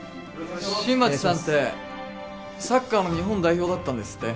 新町さんってサッカーの日本代表だったんですって？